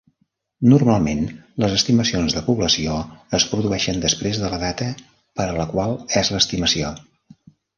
Normalment, les estimacions de població es produeixen després de la data per a la qual és l'estimació.